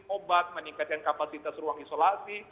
obat meningkatkan kapasitas ruang isolasi